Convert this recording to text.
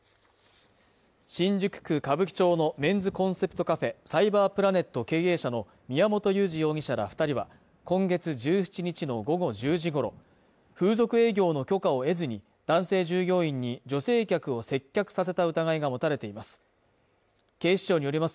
新宿区歌舞伎町のメンズコンセプトカフェ電脳プラネット経営者の宮本優二容疑者ら２人は今月１７日の午後１０時ごろ、風俗営業の許可を得ずに、男性従業員に女性客を接客させた疑いが持たれています。